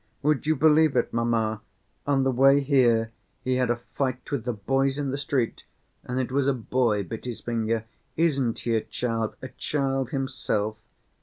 Would you believe it, mamma, on the way here he had a fight with the boys in the street, and it was a boy bit his finger, isn't he a child, a child himself?